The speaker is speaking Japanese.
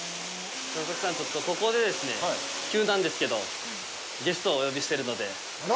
佐々木さん、ここで急なんですけどゲストをお呼びしてるので。